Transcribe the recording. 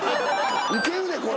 いけるでこれ。